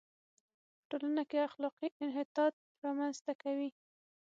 په ټولنه کې اخلاقي انحطاط را منځ ته کوي.